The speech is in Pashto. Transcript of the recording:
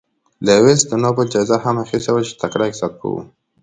لیوس د نوبل جایزه هم اخیستې وه چې تکړه اقتصاد پوه و.